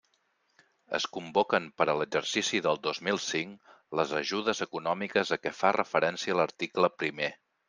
Es convoquen per a l'exercici del dos mil cinc les ajudes econòmiques a què fa referència l'article primer.